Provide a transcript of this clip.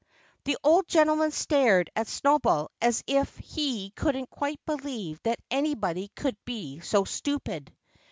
The old gentleman stared at Snowball as if he couldn't quite believe that anybody could be so stupid.